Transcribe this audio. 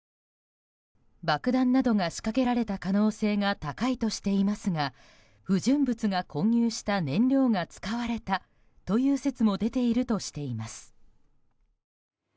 爆弾などが仕掛けられた可能性が高いとしていますが不純物が混入した燃料が使われたという説も出ているとしています。